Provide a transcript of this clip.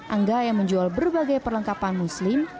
angga yang menjual berbagai perlengkapan muslim